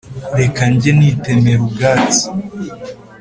Reka njye nitemera ubwatsi,